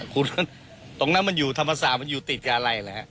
คุณตรงนั้นมันอยู่ธรรมศาสตร์มันอยู่ติดกับอะไรเหรอฮะ